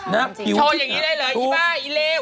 นะผิวที่ขาวช่วงอย่างนี้ได้เลยอีบ้าอีเลว